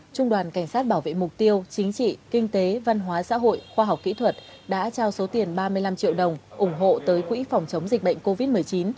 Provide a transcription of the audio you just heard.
trung đoàn cảnh sát bảo vệ mục tiêu chính trị kinh tế văn hóa xã hội khoa học kỹ thuật đã trao số tiền ba mươi năm triệu đồng ủng hộ tới quỹ phòng chống dịch bệnh covid một mươi chín